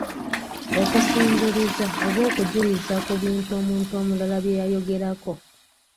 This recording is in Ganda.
Okusimbuliza oba okujuliza ku bintu omuntu omulala bye yayogerako.